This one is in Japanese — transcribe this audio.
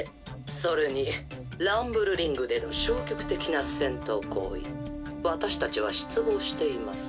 それにランブルリングでの消極的な戦闘行為私たちは失望しています。